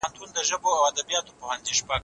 ځوانان د ټولنې فعاله قوه ده.